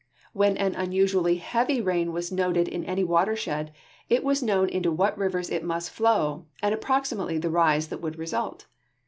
When an unusualU' heavy rain was noted in any watershed, it was known into what rivers it must flow and ap|)roximately the rise that would result.